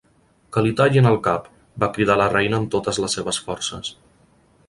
"Que li tallin el cap!", va cridar la Reina amb totes les seves forces.